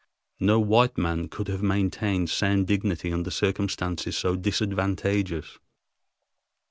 No white man could have maintained sound dignity under circumstances so disadvantageous.